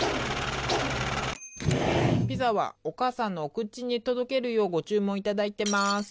ピザはおかあさんのお口に届けるようご注文いただいてます。